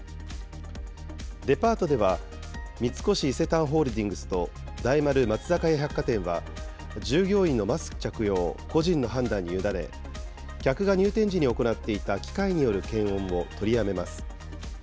デパートでは、三越伊勢丹ホールディングスと大丸松坂屋百貨店は、従業員のマスク着用を個人の判断に委ね、客が入店時に行っていた機械による検温を取りやめます。